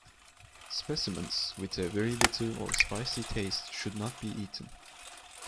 Specimens with a very bitter or spicy taste should not be eaten.